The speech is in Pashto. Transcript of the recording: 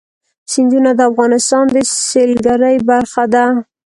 سیندونه د افغانستان د سیلګرۍ برخه ده.